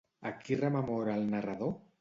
A qui rememora el narrador?